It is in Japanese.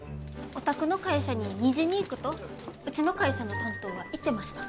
お宅の会社に２時に行くとうちの会社の担当は言ってました。